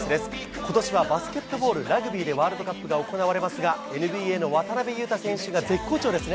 ことしはバスケットボール、ラグビーでワールドカップが行われますが、ＮＢＡの渡邊雄太選手が絶好調ですね。